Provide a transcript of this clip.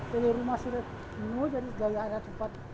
dari rumah sudah penuh jadi tidak ada tempat